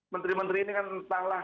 menteri menteri ini kan entahlah